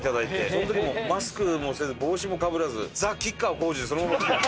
その時もマスクもせず帽子もかぶらずザ・吉川晃司でそのまま来てて。